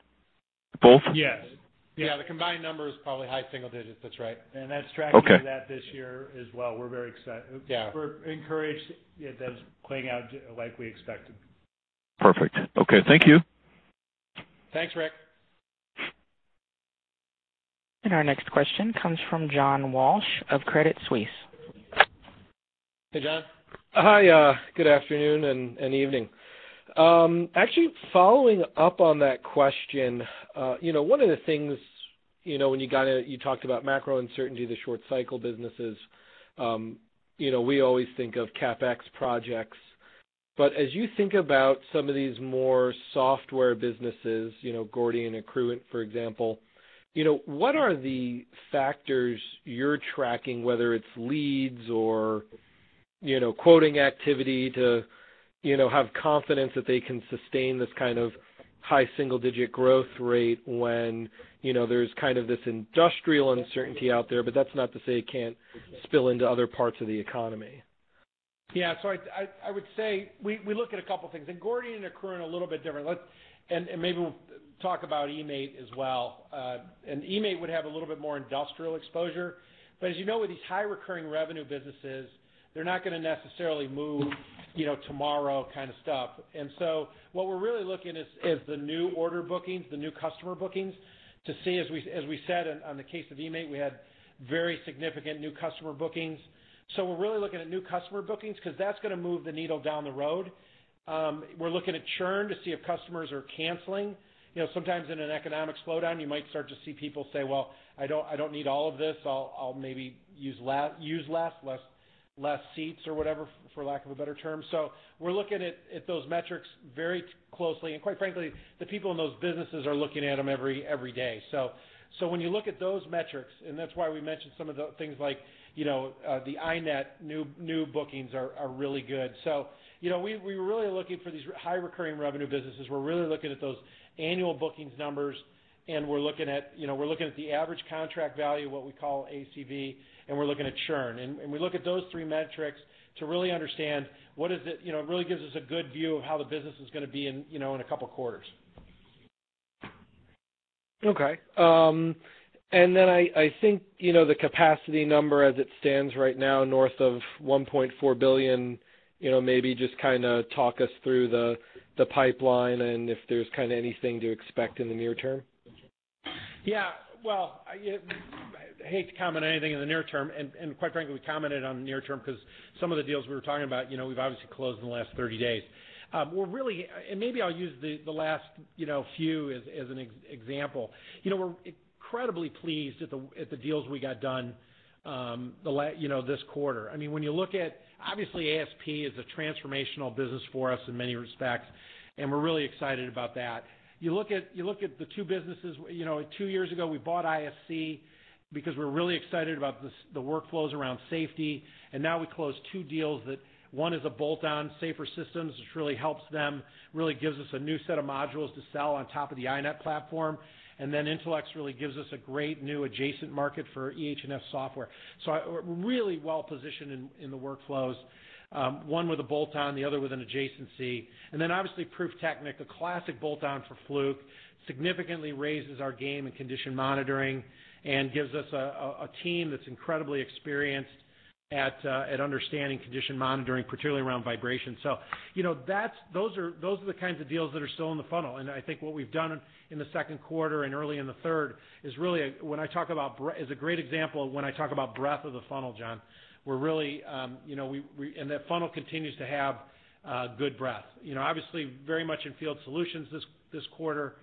Both? Yes. Yeah, the combined number is probably high single digits. That's right. And that's tracking- Okay. -to that this year as well. We're very excited. Yeah. We're encouraged that it's playing out like we expected. Perfect. Okay. Thank you. Thanks, Rich. Our next question comes from John Walsh of Credit Suisse. Hey, John. Hi. Good afternoon, and evening. Actually, following up on that question, one of the things, when you talked about macro uncertainty, the short cycle businesses. We always think of CapEx projects. As you think about some of these more software businesses, Gordian, Accruent, for example. What are the factors you're tracking, whether it's leads or quoting activity to have confidence that they can sustain this kind of high single-digit growth rate when there's kind of this industrial uncertainty out there, but that's not to say it can't spill into other parts of the economy? Yeah. I would say, we look at a couple things. Gordian and Accruent are a little bit different. Maybe we'll talk about eMaint as well. eMaint would have a little bit more industrial exposure. As you know, with these high recurring revenue businesses, they're not going to necessarily move tomorrow kind of stuff. What we're really looking is the new order bookings, the new customer bookings to see, as we said on the case of eMaint, we had very significant new customer bookings. We're really looking at new customer bookings because that's going to move the needle down the road. We're looking at churn to see if customers are canceling. Sometimes in an economic slowdown, you might start to see people say, "Well, I don't need all of this. I'll maybe use less seats or whatever," for lack of a better term. We're looking at those metrics very closely. Quite frankly, the people in those businesses are looking at them every day. When you look at those metrics, and that's why we mentioned some of the things like the iNet new bookings are really good. We're really looking for these high-recurring revenue businesses. We're really looking at those annual bookings numbers, and we're looking at the average contract value, what we call ACV, and we're looking at churn. We look at those three metrics to really understand. It really gives us a good view of how the business is going to be in a couple of quarters. Okay. I think, the capacity number as it stands right now, north of $1.4 billion, maybe just talk us through the pipeline and if there's anything to expect in the near term. Yeah. Well, I hate to comment anything in the near term. Quite frankly, we commented on the near term because some of the deals we were talking about, we've obviously closed in the last 30 days. Maybe I'll use the last few as an example. We're incredibly pleased at the deals we got done this quarter. When you look at- obviously ASP is a transformational business for us in many respects, and we're really excited about that. You look at the two businesses. Two years ago, we bought ISC because we were really excited about the workflows around safety, and now we close two deals that one is a bolt-on, SAFER Systems, which really helps them, really gives us a new set of modules to sell on top of the iNet platform. Then Intelex really gives us a great new adjacent market for EH&S software. We're really well-positioned in the workflows. One with a bolt-on, the other with an adjacency. Obviously PRÜFTECHNIK, a classic bolt-on for Fluke, significantly raises our game in condition monitoring and gives us a team that's incredibly experienced at understanding condition monitoring, particularly around vibration. Those are the kinds of deals that are still in the funnel. I think what we've done in the second quarter and early in the third is a great example of when I talk about breadth of the funnel, John. That funnel continues to have good breadth. Obviously very much in Field Solutions this quarter,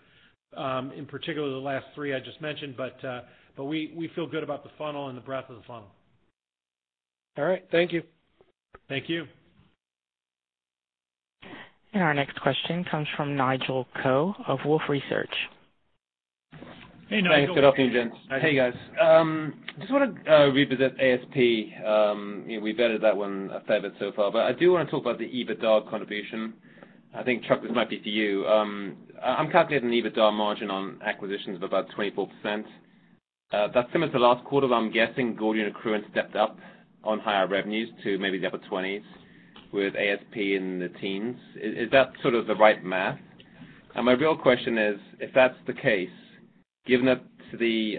in particular the last three I just mentioned, we feel good about the funnel and the breadth of the funnel. All right. Thank you. Thank you. Our next question comes from Nigel Coe of Wolfe Research. Hey, Nigel. Good afternoon, gents. Hey, guys. I just want to revisit ASP. We've vetted that one a fair bit so far. I do want to talk about the EBITDA contribution. I think, Chuck, this might be to you. I'm calculating the EBITDA margin on acquisitions of about 24%. That's similar to last quarter. I'm guessing Gordian and Accruent stepped up on higher revenues to maybe the upper 20s with ASP in the teens. Is that sort of the right math? My real question is, if that's the case, given that the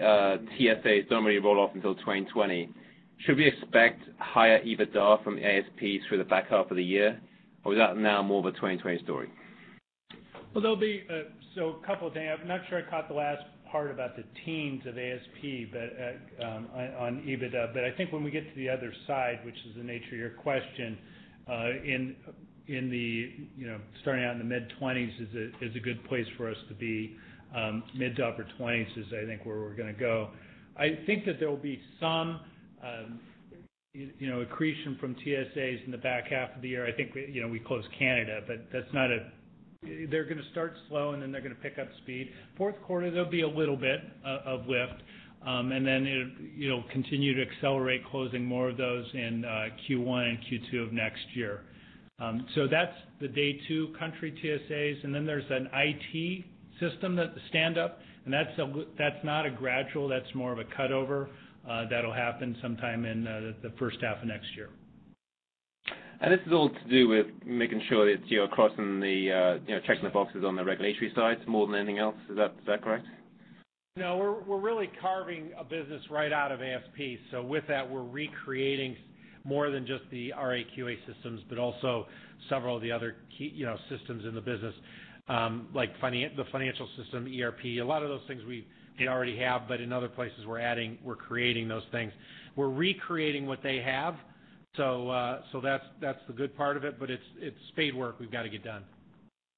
TSAs don't really roll off until 2020, should we expect higher EBITDA from ASP through the back half of the year? Is that now more of a 2020 story? Well, there'll be a couple of things. I'm not sure I caught the last part about the teens of ASP, on EBITDA. I think when we get to the other side, which is the nature of your question, starting out in the mid 20s is a good place for us to be. Mid to upper 20s is, I think, where we're going to go. I think that there will be some accretion from TSAs in the back half of the year. I think we close Canada. They're going to start slow, and then they're going to pick up speed. Fourth quarter, there'll be a little bit of lift. Then it'll continue to accelerate closing more of those in Q1 and Q2 of next year. That's the Day 2 countries TSAs, and then there's an IT system standup, and that's not gradual, that's more of a cut-over that'll happen sometime in the first half of next year. This is all to do with making sure that you're checking the boxes on the regulatory side more than anything else. Is that correct? We're really carving a business right out of ASP. With that, we're recreating more than just the RA/QA systems, but also several of the other key systems in the business, like the financial system, ERP. A lot of those things they already have, but in other places, we're creating those things. We're recreating what they have. That's the good part of it. It's spade work we've got to get done.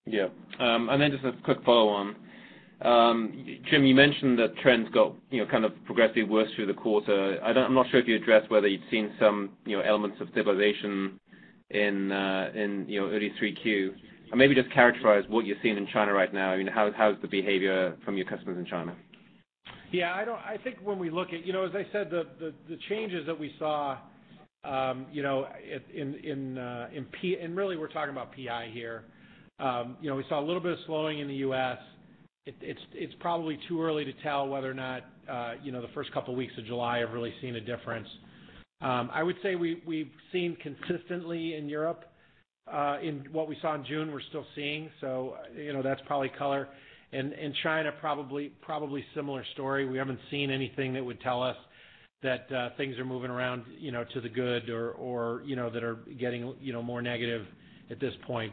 Yeah. Just a quick follow-on. Jim, you mentioned that trends got kind of progressively worse through the quarter. I'm not sure if you addressed whether you'd seen some elements of stabilization in early 3Q. Maybe just characterize what you're seeing in China right now. How's the behavior from your customers in China? Yeah. As I said, the changes that we saw, and really we're talking about PI here. We saw a little bit of slowing in the U.S. It's probably too early to tell whether or not the first couple weeks of July have really seen a difference. I would say we've seen consistently in Europe, what we saw in June, we're still seeing. That's probably color. In China, probably a similar story. We haven't seen anything that would tell us that things are moving around to the good or that are getting more negative at this point.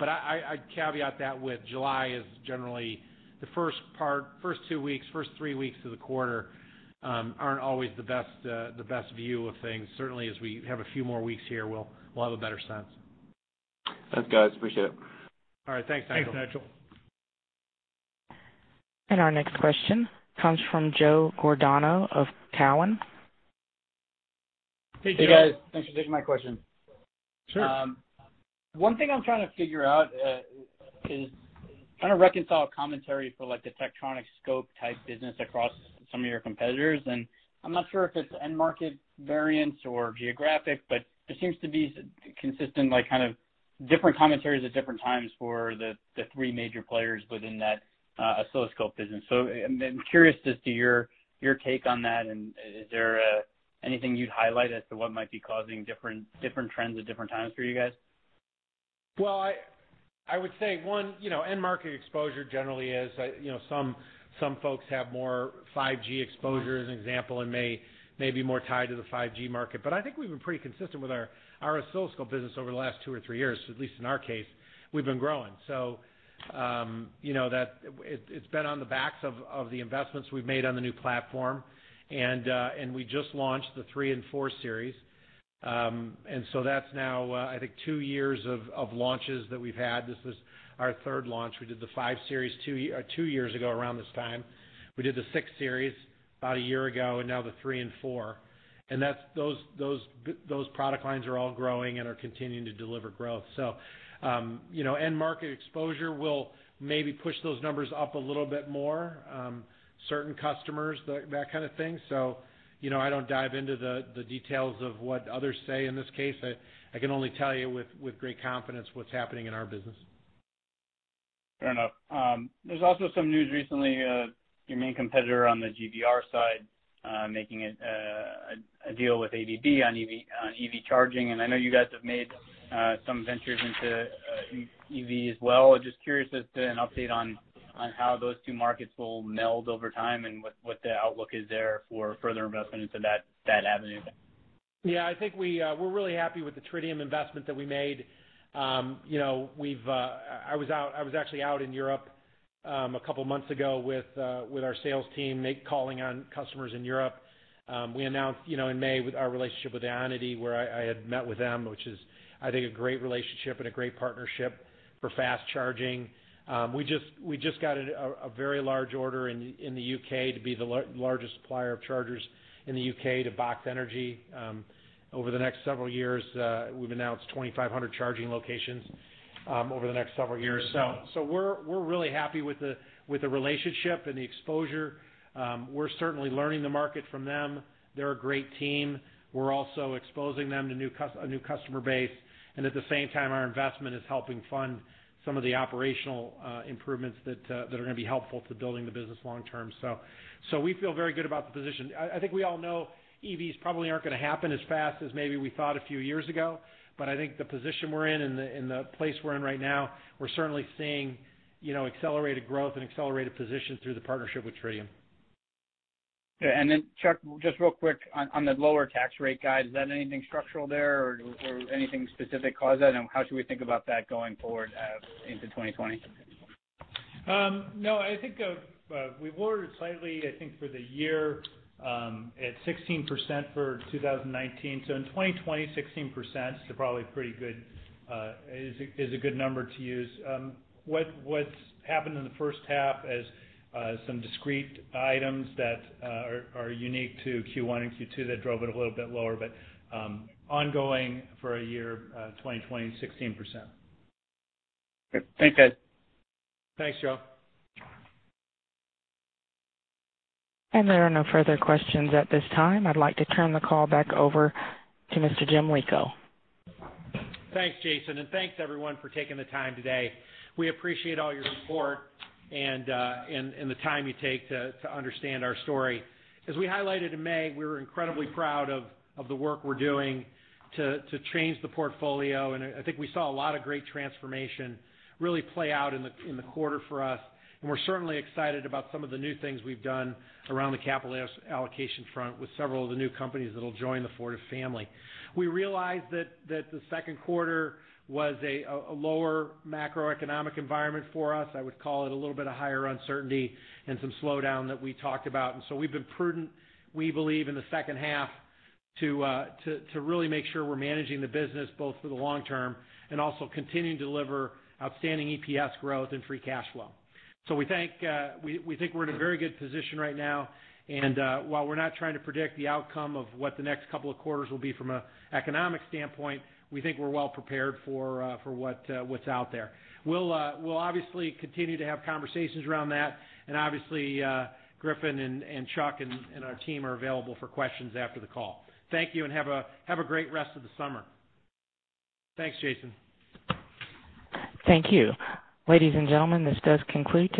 I caveat that with July is generally the first two weeks, first three weeks of the quarter aren't always the best view of things. Certainly, as we have a few more weeks here, we'll have a better sense. Thanks, guys. Appreciate it. All right. Thanks, Nigel. Thanks, Nigel. Our next question comes from Joe Giordano of Cowen. Hey, Joe. Hey, guys. Thanks for taking my question. Sure. One thing I'm trying to figure out is kind of reconcile a Tektronix commentary for the scope type business across some of your competitors, and I'm not sure if it's end market variance or geographic, but there seems to be consistent kind of different commentaries at different times for the three major players within that oscilloscope business. I'm curious as to your take on that, and is there anything you'd highlight as to what might be causing different trends at different times for you guys? Well, I would say, one, end market exposure generally is some folks have more 5G exposure, as an example, and may be more tied to the 5G market. I think we've been pretty consistent with our oscilloscope business over the last two or three years. At least in our case, we've been growing. It's been on the backs of the investments we've made on the new platform. We just launched the 3 and 4 Series. That's now, I think, two years of launches that we've had. This is our third launch. We did the 5 Series two years ago around this time. We did the 6 Series about a year ago, and now the 3 and 4. Those product lines are all growing and are continuing to deliver growth. End market exposure will maybe push those numbers up a little bit more. Certain customers, that kind of thing. I don't dive into the details of what others say in this case. I can only tell you with great confidence what's happening in our business. Fair enough. There's also some news recently, your main competitor on the GVR side, making a deal with ABB on EV charging. I know you guys have made some ventures into EV as well. Just curious as to an update on how those two markets will meld over time and what the outlook is there for further investment into that avenue. Yeah, I think we're really happy with the Tritium investment that we made. I was actually out in Europe a couple months ago with our sales team, make calling on customers in Europe. We announced in May our relationship with IONITY, where I had met with them, which is, I think, a great relationship and a great partnership for fast charging. We just got a very large order in the U.K. to be the largest supplier of chargers in the U.K. to Box Energy. Over the next several years, we've announced 2,500 charging locations over the next several years. We're really happy with the relationship and the exposure. We're certainly learning the market from them. They're a great team. We're also exposing them to a new customer base. At the same time, our investment is helping fund some of the operational improvements that are going to be helpful to building the business long term. We feel very good about the position. I think we all know EVs probably aren't going to happen as fast as maybe we thought a few years ago. I think the position we're in and the place we're in right now, we're certainly seeing accelerated growth and accelerated position through the partnership with Tritium. Yeah. Chuck, just real quick on the lower tax rate guide, is that anything structural there or anything specific cause that? How should we think about that going forward into 2020? I think we were slightly, I think for the year at 16% for 2019. In 2020, 16% is a good number to use. What's happened in the first half is some discrete items that are unique to Q1 and Q2 that drove it a little bit lower, but ongoing for a year, 2020, 16%. Okay, thanks guys. Thanks, Joe. There are no further questions at this time. I'd like to turn the call back over to Mr. Jim Lico. Thanks, Jason, thanks everyone for taking the time today. We appreciate all your support and the time you take to understand our story. As we highlighted in May, we're incredibly proud of the work we're doing to change the portfolio, and I think we saw a lot of great transformation really play out in the quarter for us. We're certainly excited about some of the new things we've done around the capital allocation front with several of the new companies that'll join the Fortive family. We realized that the second quarter was a lower macroeconomic environment for us. I would call it a little bit of higher uncertainty and some slowdown that we talked about. We've been prudent, we believe, in the second half to really make sure we're managing the business both for the long term and also continuing to deliver outstanding EPS growth and free cash flow. We think we're in a very good position right now. While we're not trying to predict the outcome of what the next couple of quarters will be from an economic standpoint, we think we're well prepared for what's out there. We'll obviously continue to have conversations around that. Obviously, Griffin and Chuck and our team are available for questions after the call. Thank you, and have a great rest of the summer. Thanks, Jason. Thank you. Ladies and gentlemen, this does conclude.